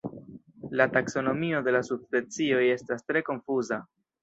La taksonomio de la subspecioj estas tre konfuza.